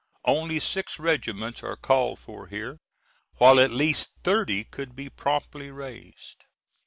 Only six regiments are called for here, while at least thirty could be promptly raised.